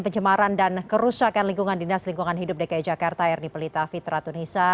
pencemaran dan kerusakan lingkungan dinas lingkungan hidup dki jakarta erni pelita fitra tunisa